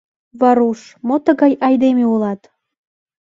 Варуш, мо тугай айдеме улат?..